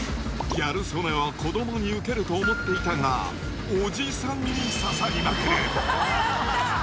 ギャル曽根は子どもに受けると思っていたが、おじさんに刺さりまくる。